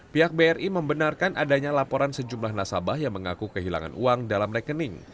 pihak bri membenarkan adanya laporan sejumlah nasabah yang mengaku kehilangan uang dalam rekening